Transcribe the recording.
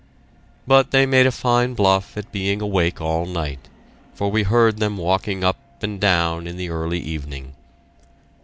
But they made a fine bluff at being awake all night, for we heard them walking up and down in the early evening.